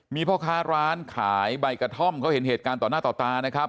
มีพ่อค้าร้านขายใบกระท่อมเขาเห็นเหตุการณ์ต่อหน้าต่อตานะครับ